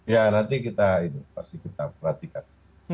ya nanti kita ini pasti kita perhatikan